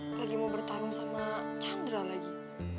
apalagi mau bertarung sama chandra lagi